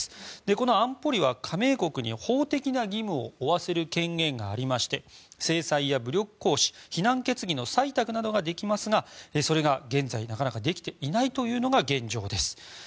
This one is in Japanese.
この安保理は、加盟国に法的な義務を負わせる権限があり制裁や武力行使非難決議の採択などができますがそれが現在、なかなかできていないのが現状です。